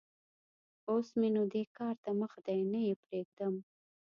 اوس م ېنو دې کار ته مخ دی؛ نه يې پرېږدم.